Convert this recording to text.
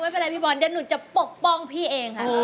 ไม่เป็นไรพี่บอลเดี๋ยวหนูจะปกป้องพี่เองค่ะ